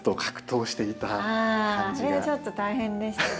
あれはちょっと大変でしたね。